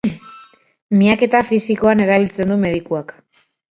Miaketa fisikoan erabiltzen du medikuak.